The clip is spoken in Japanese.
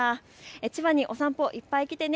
千葉にお散歩、いっぱい来てね。